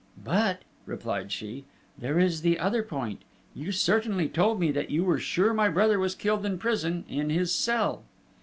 "But," replied she, "there is the other point! You certainly told me that you were sure my brother was killed in prison in his cell!"